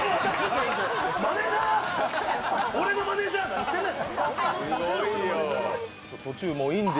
俺のマネージャー、何してんねん！